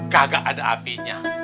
kagak ada apinya